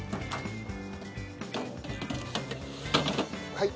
はい。